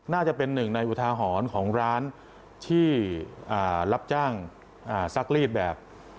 น่าจะเป็นหนึ่งในอุทาหรณ์ของร้านที่รับจ้างซักรีดแบบ